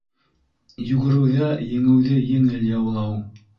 Йүгереүҙә еңеүҙе еңел яулау